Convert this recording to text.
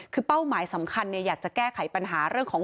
คือเป้าหมายสำคัญอยากจะแก้ไขปัญหาเรื่องของ